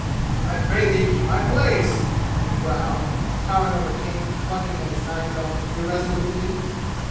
"I bade thee keep my place!" he growled, towering over King and plucking at his knife belt irresolutely.